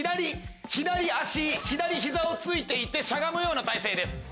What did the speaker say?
左足左膝を突いていてしゃがむような体勢です。